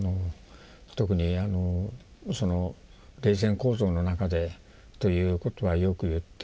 特に冷戦構造の中でということはよく言っておられまして。